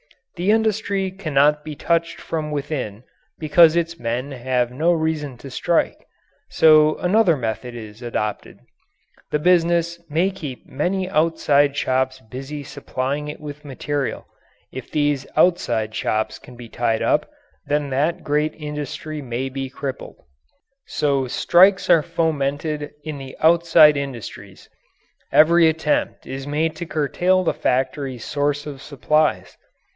The industry cannot be touched from within, because its men have no reason to strike. So another method is adopted. The business may keep many outside shops busy supplying it with material. If these outside shops can be tied up, then that great industry may be crippled. So strikes are fomented in the outside industries. Every attempt is made to curtail the factory's source of supplies.